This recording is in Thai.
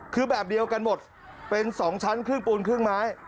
คือแบบเดียวกันหมดเป็น๒ชั้นครึ่งปูนครึ่งไม้